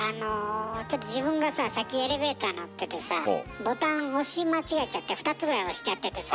自分がさ先エレベーター乗っててさボタン押し間違えちゃって２つぐらい押しちゃっててさ。